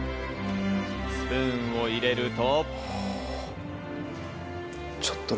スプーンを入れると。